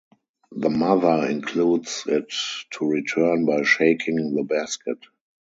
The mother induces it to return by shaking the basket.